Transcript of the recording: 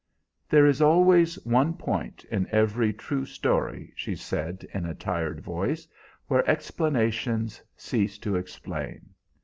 "There is always one point in every true story," she said in a tired voice, "where explanations cease to explain.